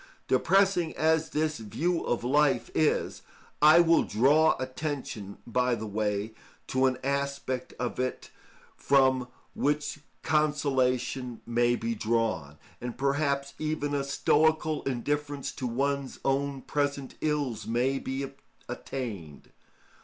Depressing as this view of life is, I will draw attention, by the way, to an aspect of it from which consolation may be drawn, and perhaps even a stoical indifference to one's own present ills may be attained.